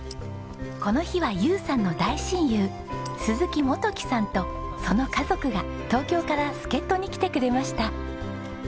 この日は友さんの大親友鈴木元気さんとその家族が東京から助っ人に来てくれました。